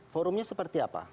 forumnya seperti apa